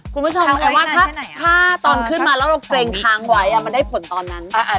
ผู้ชมว่าไข้ไข้ครั้งออกเกรงออกแบบนี้มันได้ผลตอนนั้น